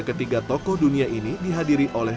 ketiga tokoh dunia ini dihadiri oleh